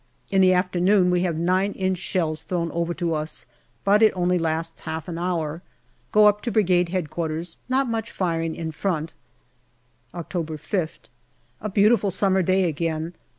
In the afternoon we have 9 inch shells thrown over to us, but it only lasts half an hour. Go up to Brigade H.Q. ; not much firing in front. October 5th. A beautiful summer day again.